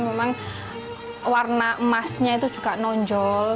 memang warna emasnya itu juga nonjol